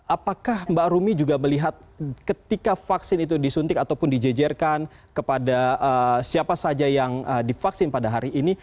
apakah mbak rumi juga melihat ketika vaksin itu disuntik ataupun dijejerkan kepada siapa saja yang divaksin pada hari ini